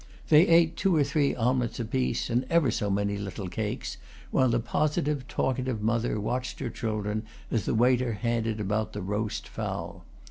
They ate two or three omelets apiece, and ever so many little cakes, while the positive, talkative mother watched her children as the waiter handed about the roast fowl.